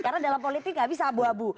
karena dalam politik gak bisa abu abu